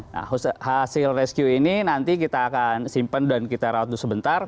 nah hasil rescue ini nanti kita akan simpan dan kita raut dulu sebentar